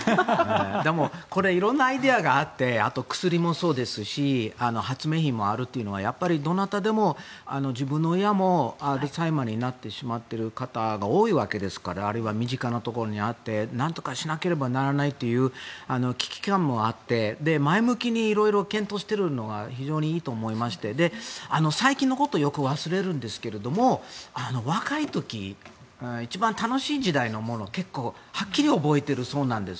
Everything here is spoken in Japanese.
でもこれ色んなアイデアがあってあと、薬もそうですし発明品もあるというのはやっぱりどなたでも自分の親もアルツハイマーになってしまっている方が多いわけですからあるいは身近なところにあってなんとかしなければならないという危機感もあって前向きに色々検討しているのが非常にいいと思いまして最近のことをよく忘れるんですが若い時、一番楽しい時代のもの結構、はっきり覚えているそうなんです。